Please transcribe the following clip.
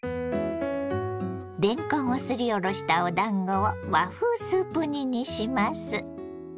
れんこんをすりおろしたおだんごを和風スープ煮にします。